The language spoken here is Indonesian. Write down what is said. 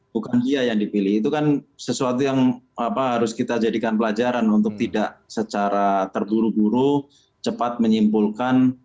bukan dia yang dipilih itu kan sesuatu yang harus kita jadikan pelajaran untuk tidak secara terburu buru cepat menyimpulkan